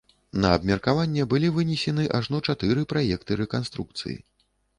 На абмеркаванне былі вынесены ажно чатыры праекты рэканструкцыі.